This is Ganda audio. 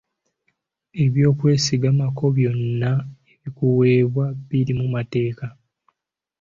Eby'okwesigamako byonna ebikuweebwa biri mu mateeka.